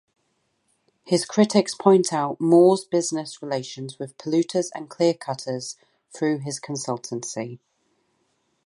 His critics point out Moore's business relations with "polluters and clear-cutters" through his consultancy.